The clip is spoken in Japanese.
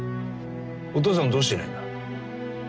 お父さんどうしていないんだ？